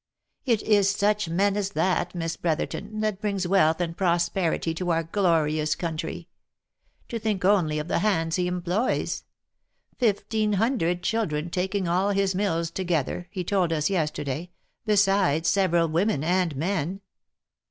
It is such men as that, Miss Brotherton, that brings wealth and prosperity to our glorious country. To think only of the hands he employs ! Fifteen hundred children taking all his mills together, he told us yesterday, besides several women and men.